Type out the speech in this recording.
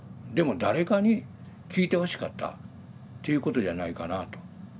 でも誰かに聞いてほしかったということじゃないかなあと。